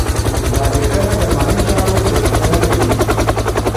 دا لیکنه د مالي چارو پیژندنه کوي.